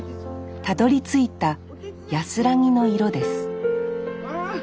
たどりついた安らぎの色です